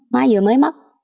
má vừa mới mất